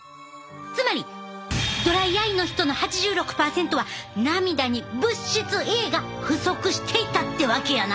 つまりドライアイの人の８６％は涙に物質Ａが不足していたってわけやな。